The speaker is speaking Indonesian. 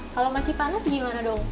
kalau masih panas gimana dong